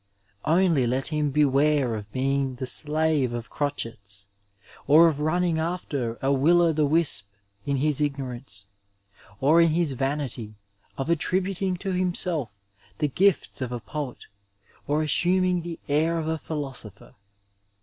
Only let him beware of being the slave of crotchets, or of running after a Will o' the Wisp in his ignorance, or in his vanity of attributiiig to himself the gifts of a poet, er affluming the air of a philosopher.